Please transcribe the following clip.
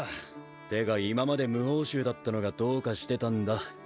ってか今まで無報酬だったのがどうかしてたんだ